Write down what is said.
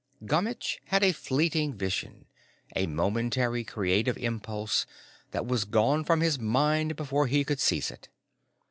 Gummitch had a fleeting vision, a momentary creative impulse, that was gone from his mind before he could seize it.